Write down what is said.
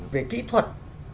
về kỹ thuật